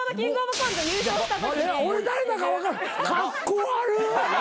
カッコ悪っ！